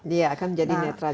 iya akan menjadi netral